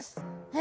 え！？